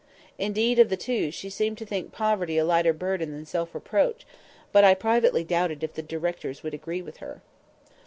Indeed, of the two, she seemed to think poverty a lighter burden than self reproach; but I privately doubted if the directors would agree with her.